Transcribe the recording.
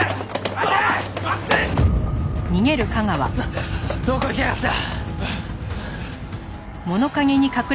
クソッどこ行きやがった？